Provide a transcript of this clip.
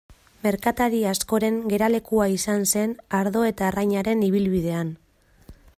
Merkatari askoren geralekua izan zen ardo eta arrainaren ibilbidean.